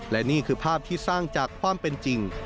และนี่คือภาพที่สร้างจากความเป็นจริง